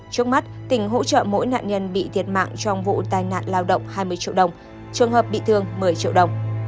trước mắt tỉnh hỗ trợ mỗi nạn nhân bị thiệt mạng trong vụ tai nạn lao động hai mươi triệu đồng trường hợp bị thương một mươi triệu đồng